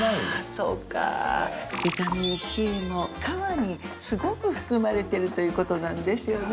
そうかビタミンＣも皮にすごく含まれてるということなんですよね